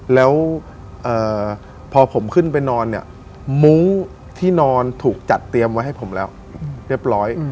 แล้วพอผมขึ้นไปนอนเนี่ยมุ้งที่นอนถูกจัดเตรียมไว้ให้ผมแล้วเรียบร้อย